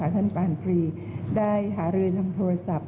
ท่านปานตรีได้หารือนำโทรศัพท์